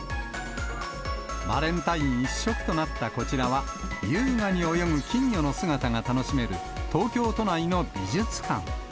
バレンタイン一色となったこちらは、優雅に泳ぐ金魚の姿が楽しめる、東京都内の美術館。